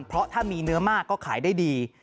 เพราะถ้ามีเนื้อมากก็ขายได้ดี